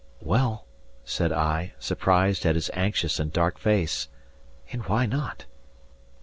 "Well," said I, surprised at his anxious and dark face, "and why not?"